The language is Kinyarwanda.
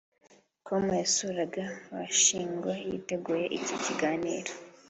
com yasuraga Washingo yiteguye iki gitaramo